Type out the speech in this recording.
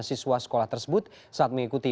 siswa sekolah tersebut saat mengikuti